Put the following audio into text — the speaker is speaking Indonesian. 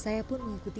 saya pun mengikuti